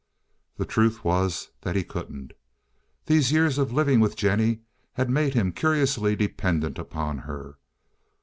The truth was that he couldn't. These years of living with Jennie had made him curiously dependent upon her.